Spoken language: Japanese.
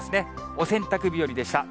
お洗濯日和でした。